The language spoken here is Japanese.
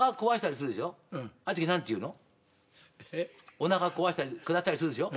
おなか壊したり下したりするでしょ？